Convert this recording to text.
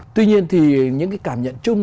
tuy nhiên thì những cái cảm nhận chung